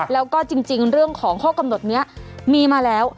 แล้วก็จริงเรื่องของข้อกำหนดนี้มีมาแล้ว